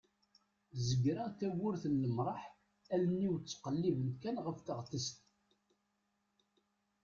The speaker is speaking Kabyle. zegreɣ tawwurt n lemraḥ allen-iw ttqellibent kan ɣef teɣtest